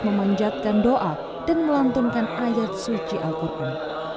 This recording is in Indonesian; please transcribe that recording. memanjatkan doa dan melantunkan ayat suci al quran